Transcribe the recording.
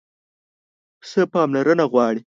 پسه پاملرنه غواړي.